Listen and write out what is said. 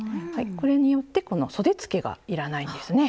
これによってこのそでつけがいらないんですね。